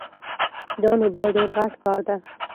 دا نو بیا ډېر غټ کار ده